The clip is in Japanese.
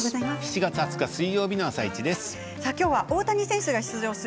７月２０日水曜日の「あさイチ」です。